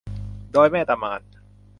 ดอยแม่ตะมาน